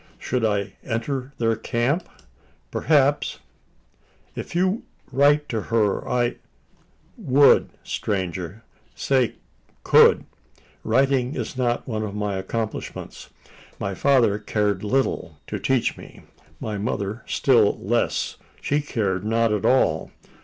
Should I enter their camp? Perhaps " "If you write to her, I " "Would, stranger? say could. Writing is not one of my accomplishments. My father cared little to teach me my mother still less: she cared not at all.